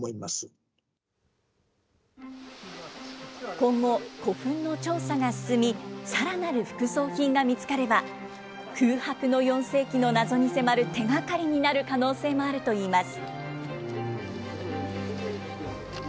今後、古墳の調査が進み、さらなる副葬品が見つかれば、空白の４世紀の謎に迫る手がかりになる可能性もあるといいます。